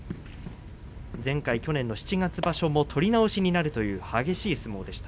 前回、去年の七月場所取り直しになるという激しい相撲でした。